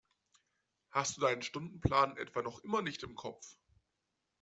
Hast du deinen Stundenplan etwa noch immer nicht im Kopf?